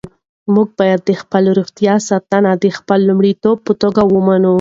موږ باید د خپلې روغتیا ساتنه د خپل لومړیتوب په توګه ومنو.